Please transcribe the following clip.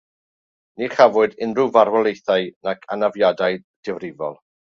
Ni chafwyd unrhyw farwolaethau nac anafiadau difrifol.